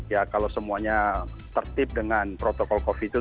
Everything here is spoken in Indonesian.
ya kalau semuanya tertib dengan protokol covid itu